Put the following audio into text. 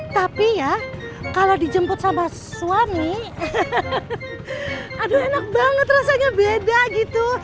tapi ya kalau dijemput sama suami aduh enak banget rasanya beda gitu